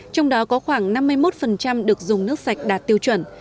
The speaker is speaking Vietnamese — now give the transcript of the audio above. trong đó có khoảng năm mươi một được dùng nước sạch đạt tiêu chuẩn